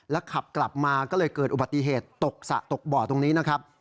ขับกลับมาก็เลยเกิดอุบัติเหตุตกสระตกบ่อตรงนี้นะครับ